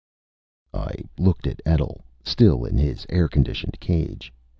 I looked at Etl, still in his air conditioned cage.